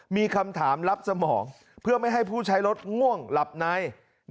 มีคำถามรับสมองเพื่อไม่ให้ผู้ใช้รถง่วงหลับใน